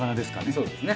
そうですね。